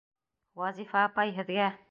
Вазифа апай, һеҙгә!